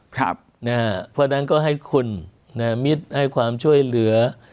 เพราะฉะนั้นก็ให้คุณมิตรให้ความช่วยเหลือ